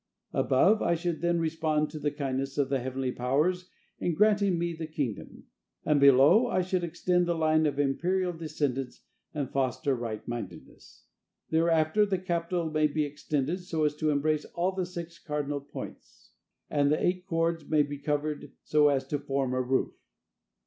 Above, I should then respond to the kindness of the heavenly powers in granting me the kingdom; and below, I should extend the line of the imperial descendants and foster rightmindedness. Thereafter the capital may be extended so as to embrace all the six cardinal points, and the eight cords may be covered so as to form a roof.